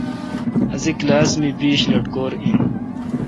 اسی کلاس مہ بیش لٹکور این۔